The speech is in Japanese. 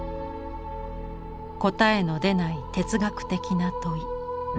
答えの出ない哲学的な問い。